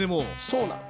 そうなの。